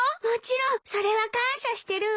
もちろんそれは感謝してるわ。